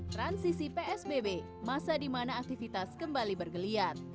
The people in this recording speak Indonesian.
transisi psbb masa di mana aktivitas kembali bergeliat